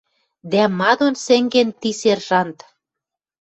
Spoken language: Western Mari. Дӓ ма дон сӹнген ти сержант?